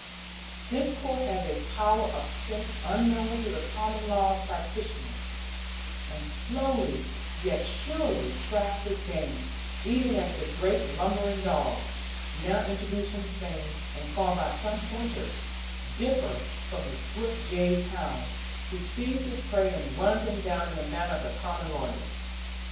This court has a power of scent unknown to the Common law practitioners, and slowly yet surely tracks its game; even as the great lumbering dogs, now introduced from Spain, and called by some people 'pointers,' differ from the swift gaze hound, who sees his prey and runs him down in the manner of the common lawyers.